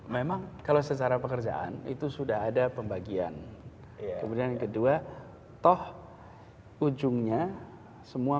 memang kalau secara pekerjaan itu sudah ada pembagian kemudian kedua toh ujungnya semua